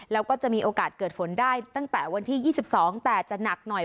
แล้วก็จะมีโอกาสเกิดฝนได้ตั้งแต่วันที่๒๒แต่จะหนักหน่อย